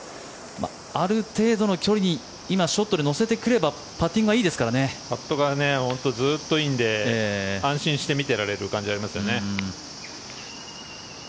ある程度の距離に今、ショットで乗せてくればパットがずっといいので安心して見てられる感じがありますよね。